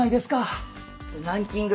ランキング